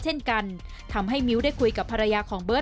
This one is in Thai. เช่นกันทำให้มิ้วได้คุยกับภรรยาของเบิร์ต